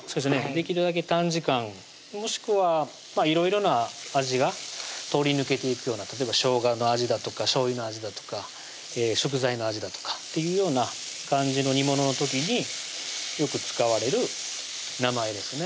できるだけ短時間もしくはいろいろな味が通り抜けていくような例えばしょうがの味だとかしょうゆの味だとか食材の味だとかっていうような感じの煮物の時によく使われる名前ですね